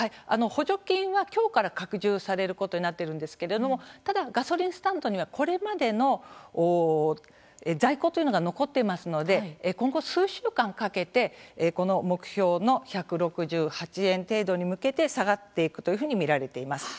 補助金はきょうから拡充されることになっているんですけれどもただ、ガソリンスタンドにはこれまでの在庫というのが残っていますので今後、数週間かけてこの目標の１６８円程度に向けて下がっていくというふうに見られています。